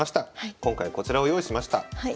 今回こちらを用意しました。